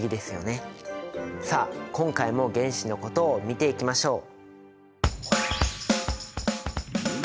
さあ今回も原子のことを見ていきましょう。